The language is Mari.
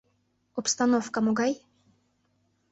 Обстановка могай?